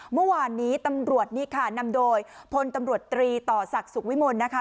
เมื่อวานนี้ตำรวจนี่ค่ะนำโดยพลตำรวจตรีต่อศักดิ์สุขวิมลนะคะ